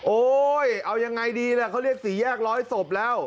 โอ๊ยเอายังไงดีล่ะเขาเรียกสี่แยกร้อยศพแล้ว